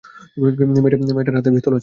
মেয়েটার হাতে পিস্তল আছে।